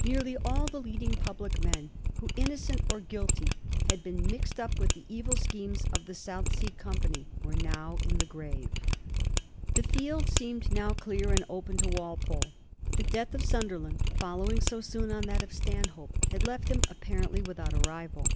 Nearly all the leading public men who, innocent or guilty, had been mixed up with the evil schemes of the South Sea Company were now in the grave. The field seemed now clear and open to Walpole. The death of Sunderland, following so soon on that of Stanhope, had left him apparently without a rival.